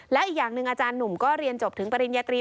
และอีกอย่างหนึ่งอาจารย์หนุ่มก็เรียนจบถึงปริญญาตรี